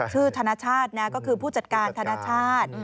ธนชาตินะก็คือผู้จัดการธนชาติ